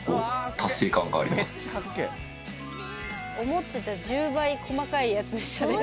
思ってた１０倍細かいやつでしたね。